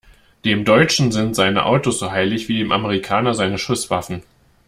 Dem Deutschen sind seine Autos so heilig wie dem Amerikaner seine Schusswaffen.